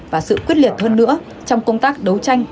và sự quyết liệt hơn nữa trong công tác đấu tranh